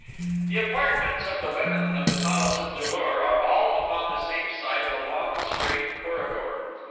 The apartments of the women of the palace at Ja lur are all upon the same side of a long, straight corridor.